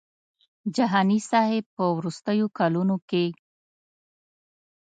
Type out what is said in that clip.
جهاني صاحب په وروستیو کلونو کې.